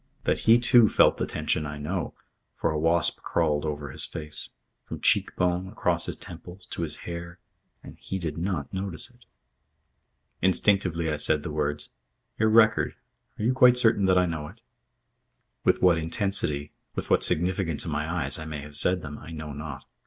That he, too, felt the tension, I know; for a wasp crawled over his face, from cheek bone, across his temples, to his hair, and he did not notice it. Instinctively I said the words: "Your record. Are you quite certain that I know it?" With what intensity, with what significance in my eyes, I may have said them, I know not.